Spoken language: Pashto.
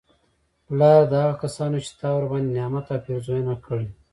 لاره د هغه کسانو چې تا ورباندي نعمت او پیرزونه کړي